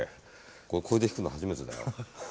これで弾くの初めてだから。